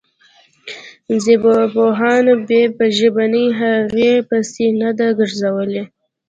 ژبپوهانو یې په ژبنۍ هغې پسې نه ده ګرځولې.